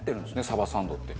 サバサンドって。